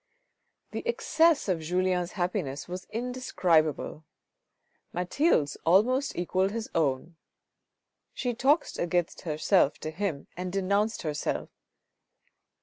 The excess of Julien's happiness was indescribable. Mathilde's almost equalled his own. She talked against herself to him and denounced herself.